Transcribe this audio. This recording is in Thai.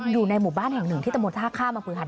อยู่ในหมู่บ้านแห่งหนึ่งที่ตะมนท่าข้ามอำเภอหัน